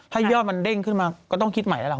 ถ้ายอดมันเด้งขึ้นมาก็ต้องคิดใหม่แล้วล่ะ